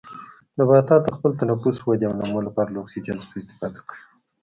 نباتات د خپل تنفس، ودې او نمو لپاره له اکسیجن څخه استفاده کوي.